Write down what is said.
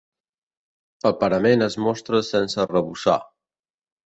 El parament es mostra sense arrebossar.